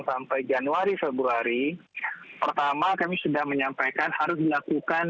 sampai januari februari pertama kami sudah menyampaikan harus dilakukan